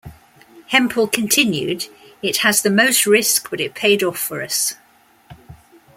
Hempel continued, It has the most risk but it paid off for us.